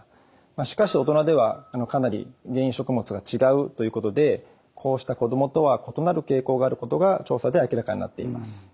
しかし大人ではかなり原因食物が違うということでこうした子どもとは異なる傾向があることが調査で明らかになっています。